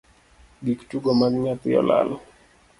Gik tugo mag nyathi olal.